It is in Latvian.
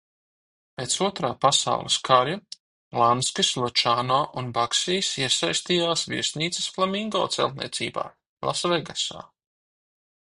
"Pēc Otrā pasaules kara Lanskis, Lučano un Bagsijs iesaistījās viesnīcas "Flamingo" celtniecībā Lasvegasā."